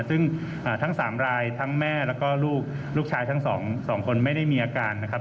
ซึ่งทั้ง๓รายทั้งแม่แล้วก็ลูกชายทั้งสองคนไม่ได้มีอาการนะครับ